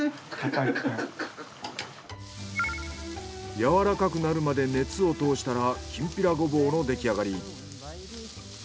やわらかくなるまで熱を通したらきんぴらゴボウのできあがり。